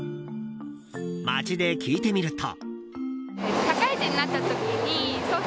街で聞いてみると。